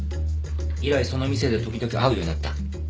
以来その店で時々会うようになった。